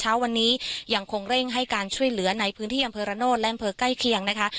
เช้าวันนี้ยังคงเร่งให้การช่วยเหลือในพื้นที่อำเภอระโนธและอำเภอใกล้เคียงนะคะ